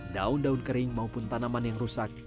daun daun kering maupun tanaman yang rusak